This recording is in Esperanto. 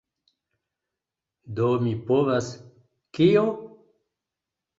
Do mi povas... kio?